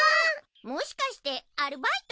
もしかしてアルバイト？